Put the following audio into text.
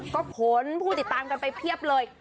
ก็ผลผู้ติดตามกันไปเพียบเลย